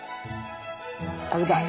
食べたい！